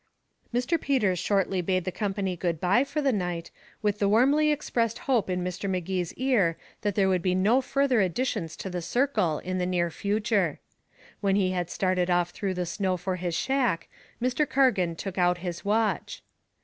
Mr. Peters shortly bade the company good by for the night, with the warmly expressed hope in Mr. Magee's ear that there would be no further additions to the circle in the near future. When he had started off through the snow for his shack, Mr. Cargan took out his watch.